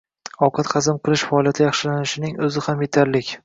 Ovqat xazm qilish faoliyati yaxshilanishining o‘zi ham yetarlik.